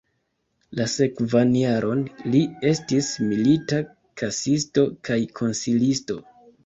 La sekvan jaron li estis milita kasisto kaj konsilisto.